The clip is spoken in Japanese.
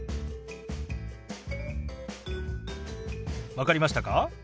分かりましたか？